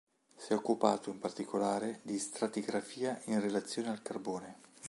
Si è occupato, in particolare, di stratigrafia in relazione al carbone.